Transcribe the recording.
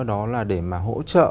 đó là để mà hỗ trợ